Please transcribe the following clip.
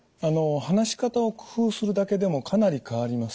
話し方を工夫するだけでもかなり変わります。